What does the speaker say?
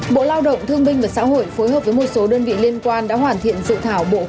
bộ lao động thương minh và xã hội phối hợp với một số đơn vị liên quan đã hoàn thiện dự thảo bộ